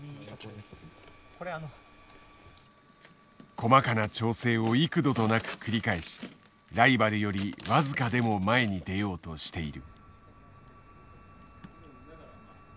細かな調整を幾度となく繰り返しライバルより僅かでも前に出ようとしている。